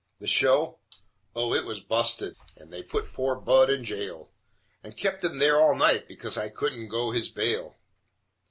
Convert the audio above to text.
The show? Oh, it was busted, and they put poor Budd in jail, And kept him there all night, because I couldn't go his bail.